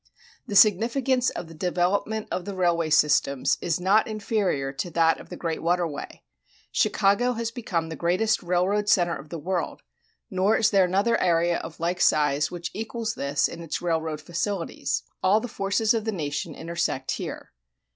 The significance of the development of the railway systems is not inferior to that of the great water way. Chicago has become the greatest railroad center of the world, nor is there another area of like size which equals this in its railroad facilities; all the forces of the nation intersect here.